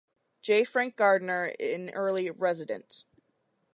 J. Frank Gardner, an early resident.